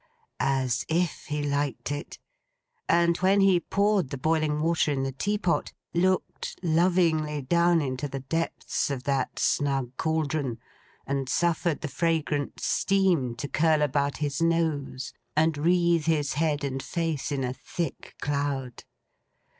—as if he liked it; and when he poured the boiling water in the tea pot, looked lovingly down into the depths of that snug cauldron, and suffered the fragrant steam to curl about his nose, and wreathe his head and face in a thick cloud.